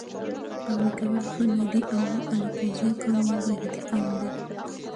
قومي کول ښه نه دي اما الکوزی قوم یو غیرتي قوم دي